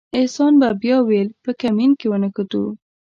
احسان به بیا ویل په کمین کې ونښتو.